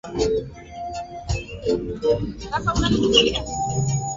Inchini Tanzania Serikali yapandisha kimo cha chini cha mshahara wa wafanyakazi wake